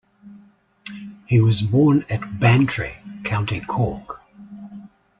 He was born at Bantry, County Cork.